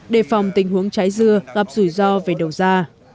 đề phòng tình huống trái dưa gặp rủi ro về đầu ra